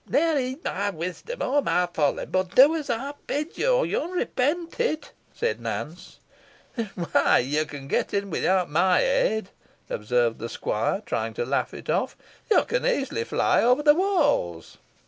"Ne'er heed my wisdom or my folly, boh do as ey bid yo, or yo'n repent it," said Nance. "Why, you can get in without my aid," observed the squire, trying to laugh it off. "You can easily fly over the walls."